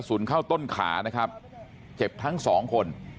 เข้าต้นขานะครับเจ็บทั้งสองคน